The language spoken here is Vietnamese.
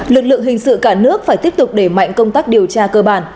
lực lượng hình sự cả nước phải tiếp tục đẩy mạnh công tác điều tra cơ bản